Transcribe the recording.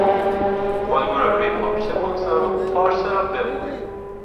الگو را روی پارچه بگذار و پارچه را ببر!